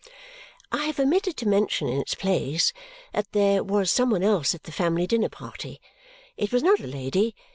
I have omitted to mention in its place that there was some one else at the family dinner party. It was not a lady.